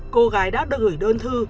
cô gái đã được gửi đơn thư